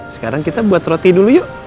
sekarang kita buat roti dulu yuk